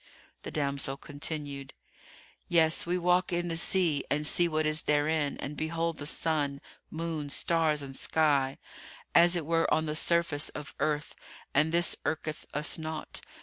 The damsel continued, "Yes, we walk in the sea and see what is therein and behold the sun, moon, stars and sky, as it were on the surface of earth; and this irketh us naught.